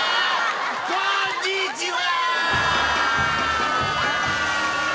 こんにちは！